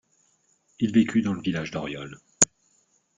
Il vécut dans le village d'Auriol.